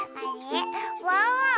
ワンワンは？